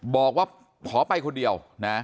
บอกว่าขอไปคนเดียวนะ